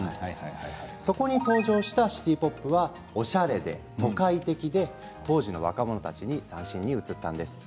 そこに登場したシティ・ポップはおしゃれで都会的で当時の若者たちに斬新に映ったんです。